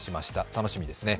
楽しみですね。